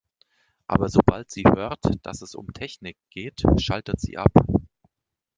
Aber sobald sie hört, dass es um Technik geht, schaltet sie ab.